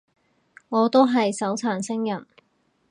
我都係手殘星人